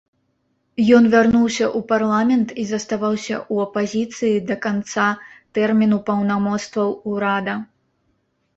Ён вярнуўся ў парламент і заставаўся ў апазіцыі да канца тэрміну паўнамоцтваў урада.